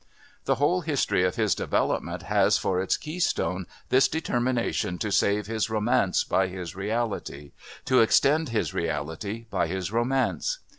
The whole history of his development has for its key stone this determination to save his romance by his reality, to extend his reality by his romance.